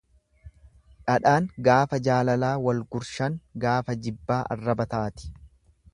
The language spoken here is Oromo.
Dhadhaan gaafa jaalalaa wal gurshan gaafa jibbaa arraba taati.